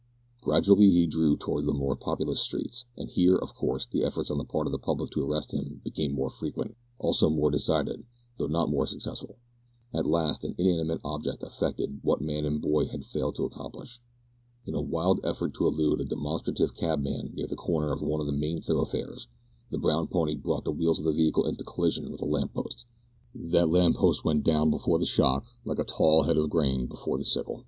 Gradually he drew towards the more populous streets, and here, of course, the efforts on the part of the public to arrest him became more frequent, also more decided, though not more successful. At last an inanimate object effected what man and boy had failed to accomplish. In a wild effort to elude a demonstrative cabman near the corner of one of the main thoroughfares, the brown pony brought the wheels of the vehicle into collision with a lamp post. That lamp post went down before the shock like a tall head of grain before the sickle.